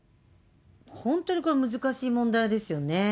本当にこれは難しい問題ですよね。